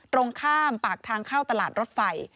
ตรงข้ามปากทางเข้าตลาดรถไฟ